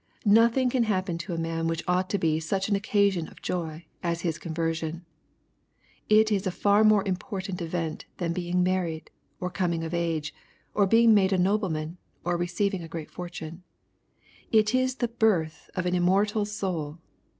Nothing can happen to a man which ought to be such an occasion of joy, as his conversion. It is a far more important event than being married, or coming of age, or being made a nobleman, or receiving a great fortune. \ It is the birth of an immortal soul